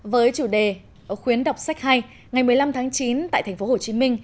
với chủ đề khuyến đọc sách hay ngày một mươi năm tháng chín tại tp hcm